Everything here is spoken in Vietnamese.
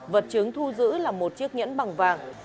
vật chứng thu giữ là một chiếc nhẫn bằng vàng